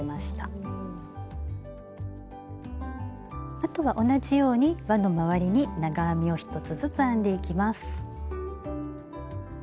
あとは同じようにわのまわりに長編みを１つずつ編んでいきます。